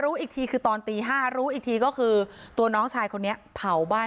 รู้อีกทีคือตอนตี๕รู้อีกทีก็คือตัวน้องชายคนนี้เผาบ้าน